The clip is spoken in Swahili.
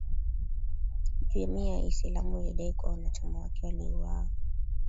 Jamii ya Kiislamu ilidai kuwa wanachama wake waliwauwa